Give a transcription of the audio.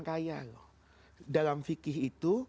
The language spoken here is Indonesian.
kaya loh dalam fikih itu